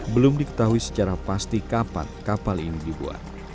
belum diketahui secara pasti kapan kapal ini dibuat